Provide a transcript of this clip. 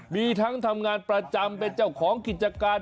มีทั้งทำงานประจำเป็นเจ้าของกิจการ